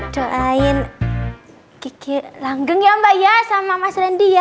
doain langgeng ya mbak ya sama mas randy ya